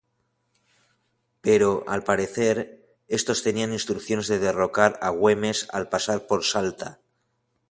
Pero, al parecer, estos tenían instrucciones de derrocar a Güemes al pasar por Salta.